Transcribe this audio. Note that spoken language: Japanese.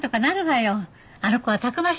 あの子はたくましいもの。